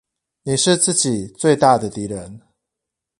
你是自己最大的敵人